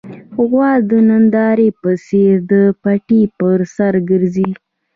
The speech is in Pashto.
غوا د نندارې په څېر د پټي پر سر ګرځي.